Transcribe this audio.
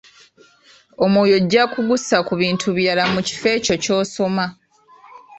Omwoyo ojja kugussa ku bintu birala mu kifo ky’ekyo ky’osoma.